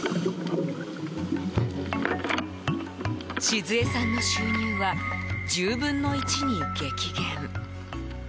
静江さんの収入は１０分の１に激減。